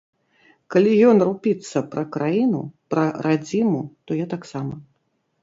Калі ён рупіцца пра краіну, пра радзіму, то я таксама.